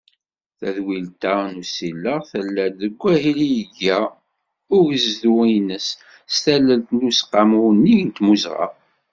Tadwilt-a n usileɣ, tella-d deg wahil i yega ugezdu-ines s tallelt n Ueqsqamu Unnig n Timmuzɣa.